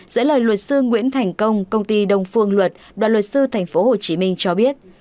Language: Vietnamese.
giữa lời luật sư nguyễn thành công công ty đông phương luật đoàn luật sư tp hcm cho biết